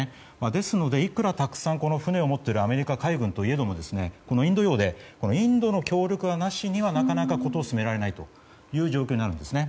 ですのでいくらたくさん船を持っているアメリカ海軍といえどもインド洋でインドの協力がなしにはなかなかことを進められないという状況にあるんですね。